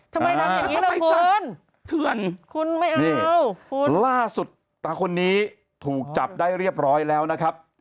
ทำไมทำอย่างนี้ล่ะคุณถือนคุณไม่เอาล่าสุดตาคนนี้ถูกจับได้เรียบร้อยแล้วนะครับ